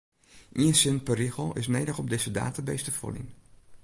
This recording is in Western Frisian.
Ien sin per rigel is nedich om dizze database te foljen.